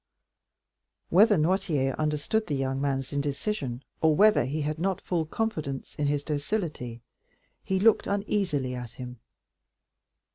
Whether Noirtier understood the young man's indecision, or whether he had not full confidence in his docility, he looked uneasily at him.